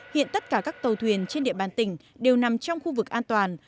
hiện tất cả các tàu thuyền trên địa bàn tỉnh đều nằm trong khu vực an toàn